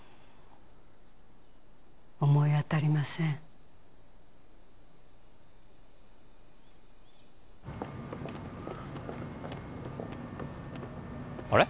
思い当たりませんあれ？